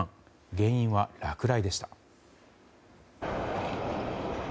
原因は落雷でした。